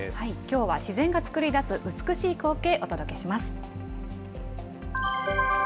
きょうは自然がつくり出す美しい光景、お届けします。